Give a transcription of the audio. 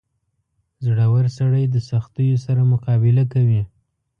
• زړور سړی د سختیو سره مقابله کوي.